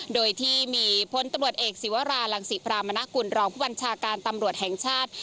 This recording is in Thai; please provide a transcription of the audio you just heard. โดยที่มีพลตำรวจเอกศิวรารังศิพรามณกุลรองผู้บัญชาการตำรวจแห่งชาติ